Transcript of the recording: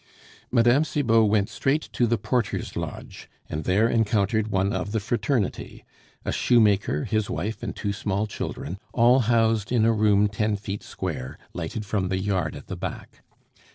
Mme. Cibot went straight to the porter's lodge, and there encountered one of the fraternity, a shoemaker, his wife, and two small children, all housed in a room ten feet square, lighted from the yard at the back.